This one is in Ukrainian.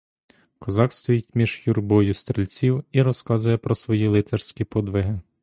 Козак стоїть між юрбою стрільців і розказує про свої лицарські подвиги.